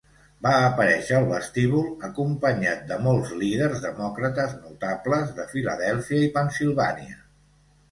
Va aparèixer al vestíbul acompanyat de molts líders demòcrates notables de Filadèlfia i Pennsilvània.